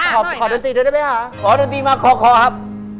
โรงคลิปมาโรงละง่ายแล้ว